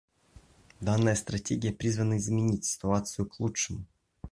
Данная стратегия призвана изменить ситуацию к лучшему.